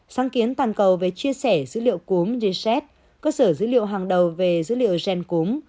sáng kiến toàn cầu về chia sẻ dữ liệu cúm jet cơ sở dữ liệu hàng đầu về dữ liệu gen cúm